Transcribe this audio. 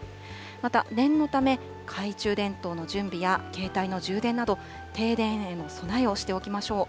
また、念のため、懐中電灯の準備や携帯の充電など、停電への備えをしておきましょう。